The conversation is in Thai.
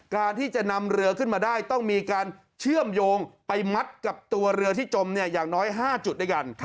การที่จะนำเรือขึ้นมาได้ต้องมีการเชื่อมโยงไปมัดกับตัวเรือที่จมอย่างน้อย๕จุดด้วยกัน